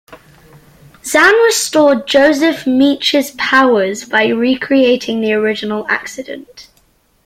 Xan restored Joseph Meach's powers by recreating the original accident.